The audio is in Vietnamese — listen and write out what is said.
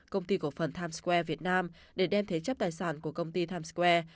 công ty cổ phần times square việt nam để đem thế chấp tài sản của công ty times square